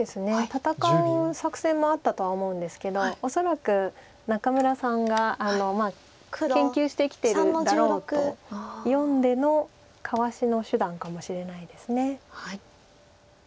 戦う作戦もあったとは思うんですけど恐らく仲邑さんが研究してきてるだろうと読んでのかわしの手段かもしれないです。